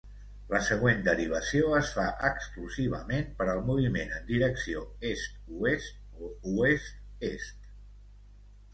La següent derivació es fa exclusivament per al moviment en direcció est-oest o oest-est.